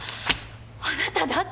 あなただって！